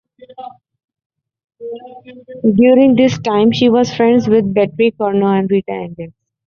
During this time she was friends with Betty Curnow and Rita Angus.